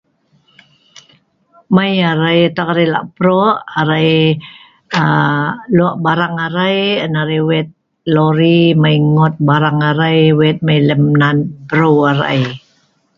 mai arai, tak arai lak prok.. arai lok barang arai.. an arai wet lori mai ngot barang arai wet mai nan broeu arai